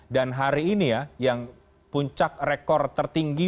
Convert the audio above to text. dan hari ini ya yang puncak rekor tertinggi